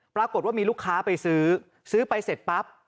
ปรากฏว่ามีลูกค้าไปซื้อซื้อไปเสร็จปั๊บ